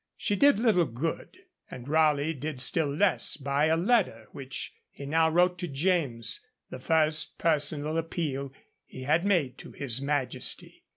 She did little good, and Raleigh did still less by a letter he now wrote to James, the first personal appeal he had made to his Majesty.